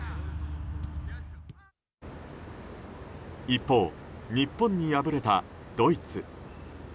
一方、日本に敗れたドイツ。